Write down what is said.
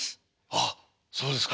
あっそうですか。